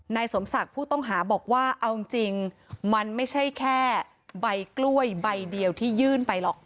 สมศักดิ์ผู้ต้องหาบอกว่าเอาจริงมันไม่ใช่แค่ใบกล้วยใบเดียวที่ยื่นไปหรอก